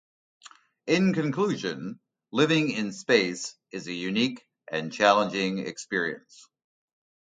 In conclusion, living in space is a unique and challenging experience.